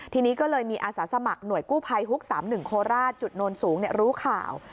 ทีนี้ก็เลยมีอาสาสมัครหน่วยกู้ภัยฮุก๓๑โคราชจุดโน้นสูงรู้ข่าว